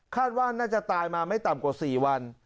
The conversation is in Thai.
ว่าน่าจะตายมาไม่ต่ำกว่า๔วัน